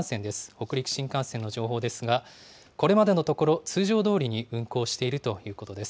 北陸新幹線の情報ですが、これまでのところ、通常どおりに運行しているということです。